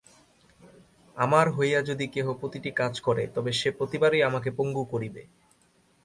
আমার হইয়া যদি কেহ প্রতিটি কাজ করে, তবে সে প্রতিবারই আমাকে পঙ্গু করিবে।